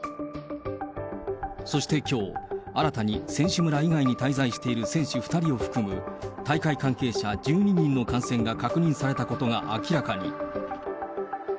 そしてきょう、新たに選手村以外に滞在している選手２人を含む、大会関係者１２人の感染が確認されたことが明らかに。